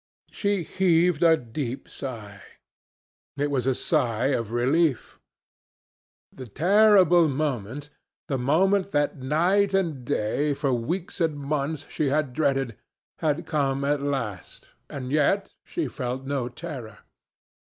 She heaved a deep sigh. It was a sigh of relief. The terrible moment, the moment that night and day, for weeks and months, she had dreaded, had come at last, and yet she felt no terror.